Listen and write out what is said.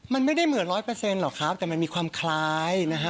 มันไม่ได้เหมือน๑๐๐หรอกครับแต่มันมีความคล้ายนะครับ